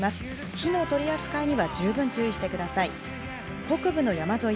火の取り扱いには十分注意してください。